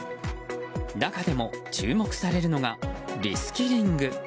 中でも注目されるのがリスキリング。